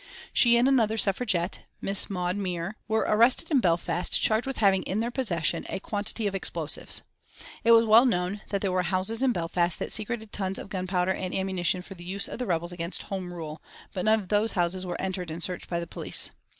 She and another Suffragette, Miss Maud Muir, were arrested in Belfast charged with having in their possession a quantity of explosives. It was well known that there were houses in Belfast that secreted tons of gunpowder and ammunition for the use of the rebels against Home Rule, but none of those houses were entered and searched by the police.